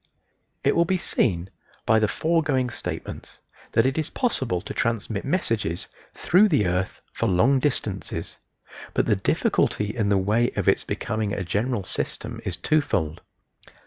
It will be seen by the foregoing statements that it is possible to transmit messages through the earth for long distances, but the difficulty in the way of its becoming a general system is twofold.